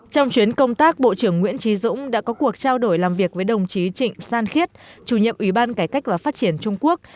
trong chuyến công tác bộ trưởng nguyễn trí dũng đã có cuộc trao đổi làm việc với đồng chí trịnh san khiết chủ nhiệm ủy ban cải cách và phát triển trung quốc